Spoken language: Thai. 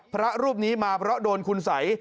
พระรูปนี้มาเพราะโดนคุณสัย